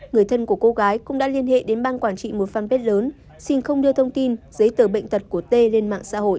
người thân của cô gái cũng đã liên hệ đến bang quản trị một fanpage lớn xin không đưa thông tin giấy tờ bệnh tật của tê lên mạng xã hội